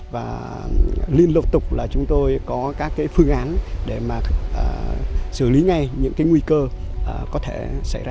và liên lục tục chúng tôi có các phương án để xử lý ngay những nguy cơ có thể xảy ra